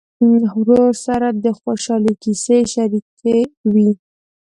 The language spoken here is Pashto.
ورور سره د خوشحالۍ کیسې شريکې وي.